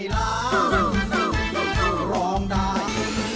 ลูกน้ำชม